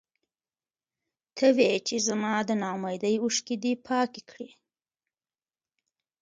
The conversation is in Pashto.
ته وې چې زما د نا اميدۍ اوښکې دې پاکې کړې.